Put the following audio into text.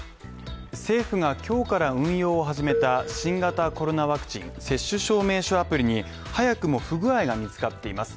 政府が今日から運用を始めた新型コロナワクチン接種証明書アプリに早くも不具合が見つかっています。